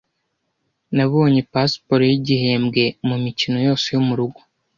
Nabonye pasiporo yigihembwe mumikino yose yo murugo.